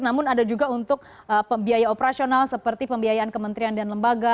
namun ada juga untuk pembiaya operasional seperti pembiayaan kementerian dan lembaga